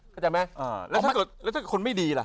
เข้าใจมั้ยแล้วถ้าเกิดคนไม่ดีล่ะ